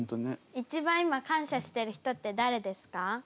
一番今感謝してる人って誰ですか？